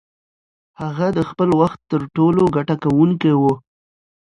هغه د خپل وخت تر ټولو ګټه کوونکې وه.